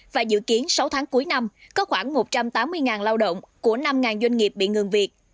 và dự kiến sáu tháng cuối năm có khoảng một trăm tám mươi lao động của năm doanh nghiệp bị ngừng việc